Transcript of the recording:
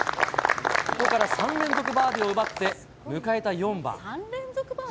ここから３連続バーディーを奪って迎えた４番。